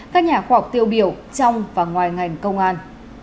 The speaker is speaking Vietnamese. các nhà khoa học tiêu biểu trong và ngoài ngành công an